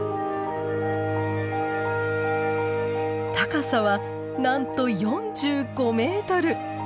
高さはなんと４５メートル！